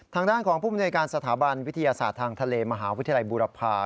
ทางด้านของภูมิในการสถาบันวิทยาศาสตร์ทางทะเลมหาวิทยาลัยบูรพา